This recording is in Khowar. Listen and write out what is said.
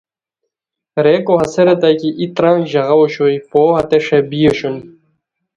ریکو ہسے ریتائے کی ای ترانگ ژاغہ اوشوئے، پو ہتیݰے بی اوشونی